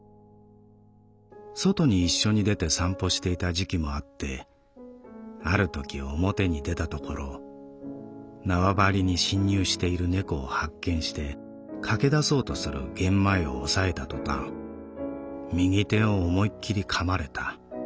外に一緒に出て散歩していた時期もあってあるとき表に出たところ縄張りに侵入している猫を発見して駆け出そうとするゲンマイを押さえた途端右手を思いっきり噛まれた。